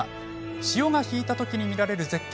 潮が引いたときに見られる絶景。